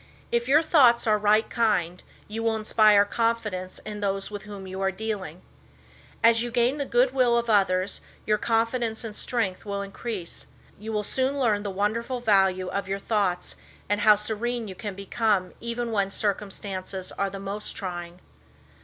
If your thoughts are right kind, you will inspire confidence in those with whom you are dealing. As you gain the good will of others your confidence and strength will increase. You will soon learn the wonderful value of your thoughts and how serene you can become even when circumstances are the most trying.